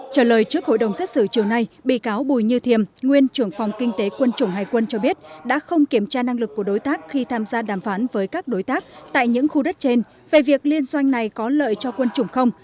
trả lời trước hội đồng xét xử chiều nay bị cáo bùi như thiềm nguyên trưởng phòng kinh tế quân chủng hải quân cho biết đã không kiểm tra năng lực của đối tác khi tham gia đàm phán với các đối tác tại những khu đất trên về việc liên doanh này có lợi cho quân chủng không